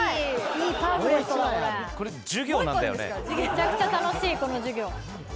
めちゃくちゃ楽しいこの授業。